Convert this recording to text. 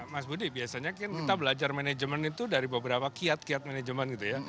mas budi biasanya kan kita belajar manajemen itu dari beberapa kiat kiat manajemen gitu ya